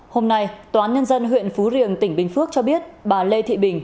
hôm nay tòa án nhân dân huyện phú riềng tỉnh bình phước cho biết bà lê thị bình